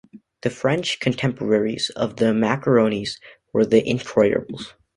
The French contemporaries of the macaronis were the incroyables.